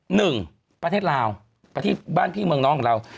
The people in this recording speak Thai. หนึ่งประเทศลาวประเทศบ้านพี่เมืองน้องของเรา